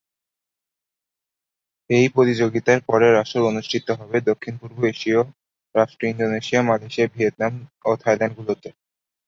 এই প্রতিযোগিতার পরের আসর অনুষ্ঠিত হবে দক্ষিণ পূর্ব এশীয় রাষ্ট্র ইন্দোনেশিয়া, মালয়েশিয়া, ভিয়েতনাম ও থাইল্যান্ড গুলোতে।